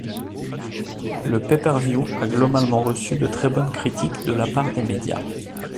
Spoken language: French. Le pay-per-view a globalement reçu de très bonnes critiques de la part des médias.